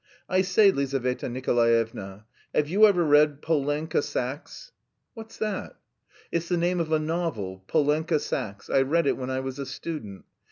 I say, Lizaveta Nikolaevna, have you ever read 'Polenka Saxe'?" "What's that?" "It's the name of a novel, 'Polenka Saxe.' I read it when I was a student....